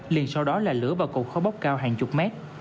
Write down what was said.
liền sau đó là lửa và cục khó bốc cao hàng chục mét